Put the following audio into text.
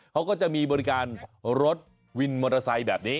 เขาก็จะมีบริการรถวินมอเตอร์ไซค์แบบนี้